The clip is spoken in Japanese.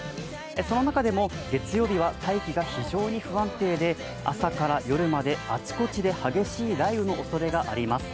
その中でも月曜日は大気が非常に不安定で朝から夜まであちこちで激しい雷雨のおそれがあります。